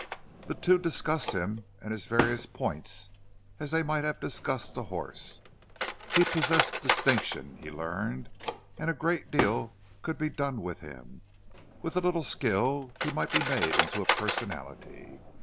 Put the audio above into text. The two discussed him and his various "points" as they might have discussed a horse; he possessed distinction, he learned, and a great deal could be done with him—with a little skill he might be made into a personality.